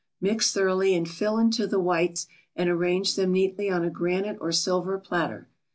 Mix thoroughly and fill into the whites and arrange them neatly on a granite or silver platter.